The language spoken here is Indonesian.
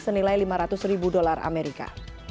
senilai lima ratus ribu dolar amerika